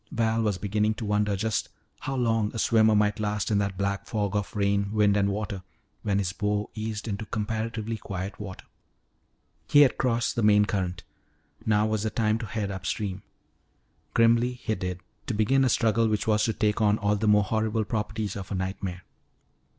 Val was beginning to wonder just how long a swimmer might last in that black fog of rain, wind, and water when his bow eased into comparatively quiet water. He had crossed the main current; now was the time to head upstream. Grimly he did, to begin a struggle which was to take on all the more horrible properties of a nightmare.